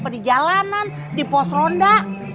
di jalanan di pos ronda